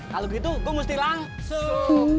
kalau gitu gue mesti langsung